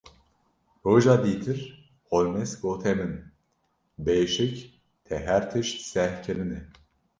Roja dîtir Holmes gote min: Bêşik te her tişt seh kirine.